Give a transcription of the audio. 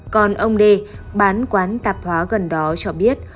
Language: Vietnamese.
còn ông đê bán quán tạp hóa gần đó cho biết